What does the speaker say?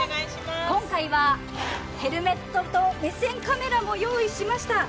今回はヘルメットと目線カメラも用意しました。